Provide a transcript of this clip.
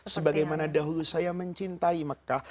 sebagai mana dahulu saya mencintai mekah